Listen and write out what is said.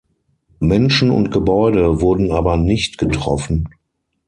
Menschen und Gebäude wurden aber nicht getroffen.